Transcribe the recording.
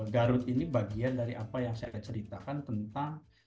garut ini bagian dari apa yang saya ceritakan tentang